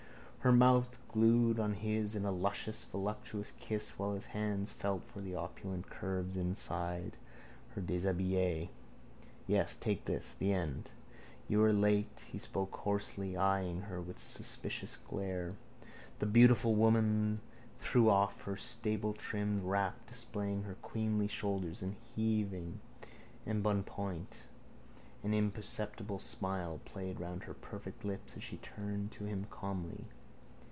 —Her mouth glued on his in a luscious voluptuous kiss while his hands felt for the opulent curves inside her déshabillé. Yes. Take this. The end. —You are late, he spoke hoarsely, eying her with a suspicious glare. The beautiful woman threw off her sabletrimmed wrap, displaying her queenly shoulders and heaving embonpoint. An imperceptible smile played round her perfect lips as she turned to him calmly.